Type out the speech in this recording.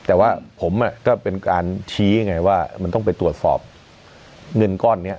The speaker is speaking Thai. แต่ว่าผมก็เป็นการชี้ไงว่ามันต้องไปตรวจสอบเงินก้อนนี้